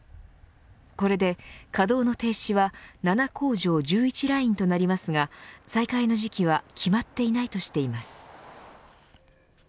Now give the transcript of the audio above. これで稼動の停止は７工場１１ラインとなりますが再開の時期は決まっていないとしています。